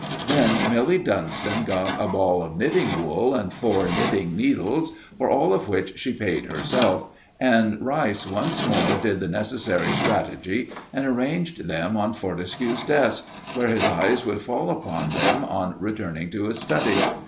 Then Milly Dunston got a ball of knitting wool and four knitting needles, for all of which she paid herself, and Rice once more did the necessary strategy and arranged them on Fortescue's desk, where his eyes would fall upon them on returning to his study.